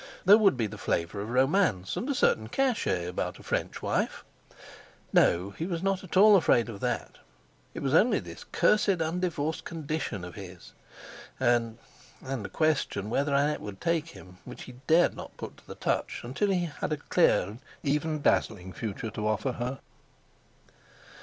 There would be the flavour of romance, and a certain cachet about a French wife. No! He was not at all afraid of that. It was only this cursed undivorced condition of his, and—and the question whether Annette would take him, which he dared not put to the touch until he had a clear and even dazzling future to offer her.